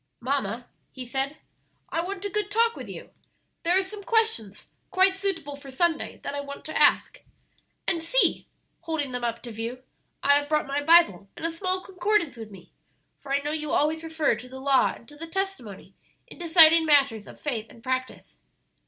"Mamma," he said, "I want a good talk with you; there are some questions, quite suitable for Sunday, that I want to ask. And see," holding them up to view, "I have brought my Bible and a small concordance with me, for I know you always refer to the Law and to the Testimony in deciding matters of faith and practice."